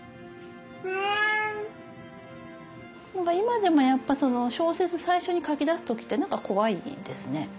だから今でもやっぱ小説最初に書きだす時って何か怖いですね。